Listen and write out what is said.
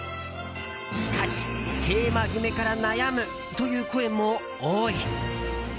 しかし、テーマ決めから悩むという声も多い。